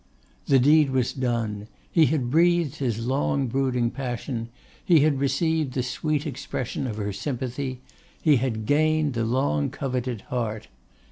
The deed was done; he had breathed his long brooding passion, he had received the sweet expression of her sympathy, he had gained the long coveted heart.